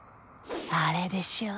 あれでしょ？